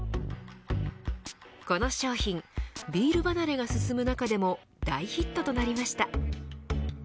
この商品ビール離れが進む中でも大ヒットとなりました。